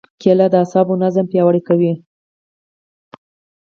کېله د اعصابو نظام پیاوړی کوي.